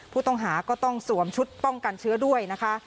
ผู้ต้องหาก็ต้องสวมชุดป้องกันเชื้อด้วยนะคะ